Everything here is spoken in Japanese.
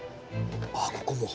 あっここも。